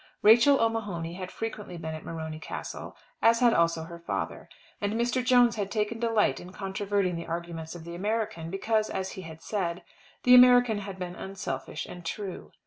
Rachel O'Mahony had frequently been at Morony Castle, as had also her father; and Mr. Jones had taken delight in controverting the arguments of the American, because, as he had said, the American had been unselfish and true.